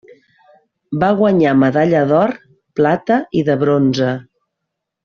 Va guanyar medalla d'or, plata i de bronze.